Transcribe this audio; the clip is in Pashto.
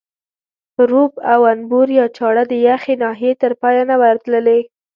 پروب او انبور یا چاړه د یخې ناحیې تر پایه نه وه تللې.